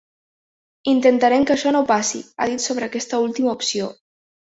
Intentarem que això no passi, ha dit sobre aquesta última opció.